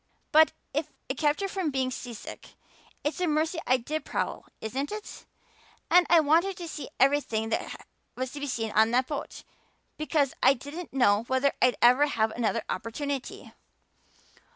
But if it kept her from being seasick it's a mercy I did prowl, isn't it? And I wanted to see everything that was to be seen on that boat, because I didn't know whether I'd ever have another opportunity.